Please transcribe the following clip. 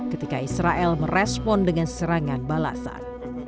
ketika israel merespon dengan serangan balasan